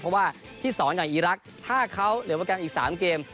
เพราะว่าที่๒อย่างไอรักษณ์ถ้าเขาเหลือบางโครงการอีก๓เกม